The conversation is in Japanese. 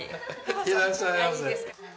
いらっしゃいませ。